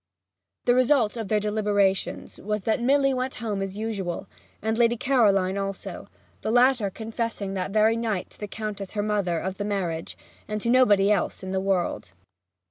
The result of their deliberations was that Milly went home as usual, and Lady Caroline also, the latter confessing that very night to the Countess her mother of the marriage, and to nobody else in the world.